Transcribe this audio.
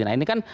nah ini kan